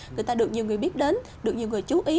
người ta được nhiều người biết đến được nhiều người chú ý